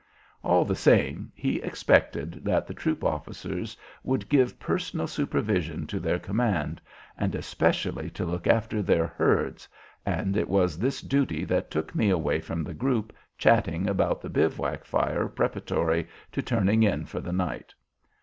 All the same, he expected that the troop officers would give personal supervision to their command, and especially to look after their "herds," and it was this duty that took me away from the group chatting about the bivouac fire preparatory to "turning in" for the night.